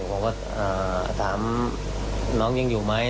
ผมก็ถามน้องยังอยู่ไหม